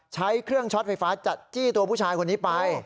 ใช้เครื่องช็อตไฟฟ้าจัดจี้ตัวผู้ชายคนนี้ไป